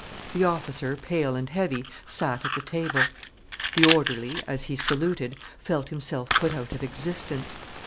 The officer, pale and heavy, sat at the table. The orderly, as he saluted, felt himself put out of existence.